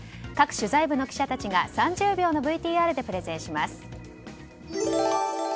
各取材部の記者たちが３０秒のＶＴＲでプレゼンします。